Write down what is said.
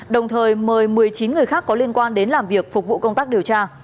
đồng thời mời một mươi chín người khác có liên quan đến làm việc phục vụ công tác điều tra